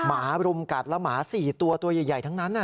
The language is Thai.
หมารุมกัดแล้วหมา๔ตัวตัวใหญ่ทั้งนั้น